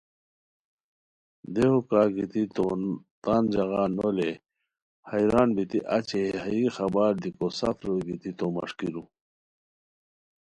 دیہو کا گیتی تو تان ژاغا نو لے حیران بیتی اچی ہے ہائیی خبر دیکو سف روئے گیتی تو مݰکیرو